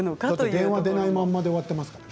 電話出られないままで終わっていますよね